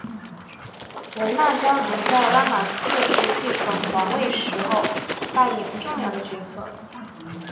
汶那家族在拉玛四世继承皇位的时候扮演重要角色。